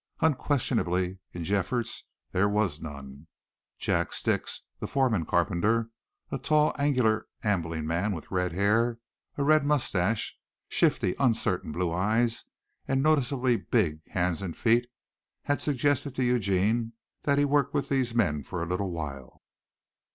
Unquestionably in Jeffords there was none. Jack Stix, the foreman carpenter, a tall, angular, ambling man with red hair, a red mustache, shifty, uncertain blue eyes and noticeably big hands and feet, had suggested to Eugene that he work with these men for a little while.